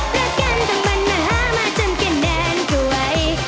แล้วกันต้องบรรณหามาจำแค่แน่นตัวไอ้